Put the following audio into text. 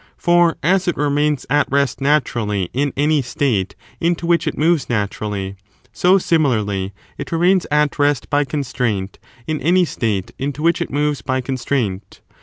For, as it remains at rest naturally 5 * a ."» ΓῚ conse in any state into which it moves naturally, so similarly quences. it remains at rest by constraint in any state into which it moves by constraint.